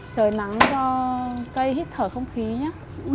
trời nắng cho cây hít thở không khí nhé